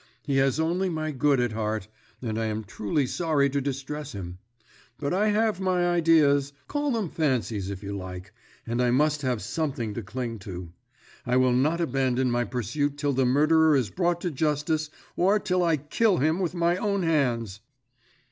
He has only my good at heart, and I am truly sorry to distress him; but I have my ideas call them fancies if you like and I must have something to cling to. I will not abandon my pursuit till the murderer is brought to justice, or till I kill him with my own hands!"